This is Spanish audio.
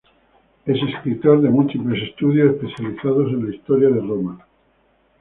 Es escritor de múltiples estudios especializados en la historia romana.